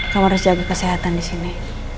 kamu harus jaga kesehatan di sini